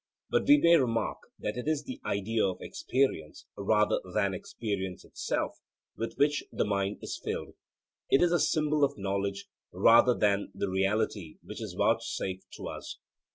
But we may remark that it is the idea of experience, rather than experience itself, with which the mind is filled. It is a symbol of knowledge rather than the reality which is vouchsafed to us.